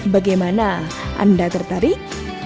bagaimana anda tertarik